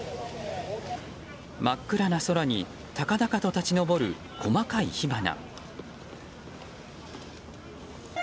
真っ暗な空に高々と立ち上る細かい火花。